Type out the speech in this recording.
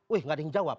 wih gak ada yang jawab